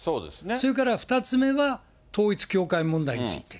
それから２つ目は、統一教会問題について。